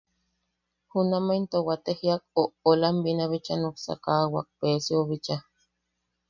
Junamaʼa into waate jiak oʼolam binabicha nuksakaʼawak Pesiou bicha.